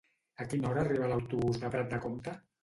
A quina hora arriba l'autobús de Prat de Comte?